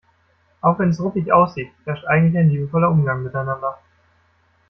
Auch wenn es ruppig aussieht, herrscht eigentlich ein liebevoller Umgang miteinander.